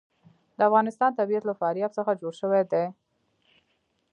د افغانستان طبیعت له فاریاب څخه جوړ شوی دی.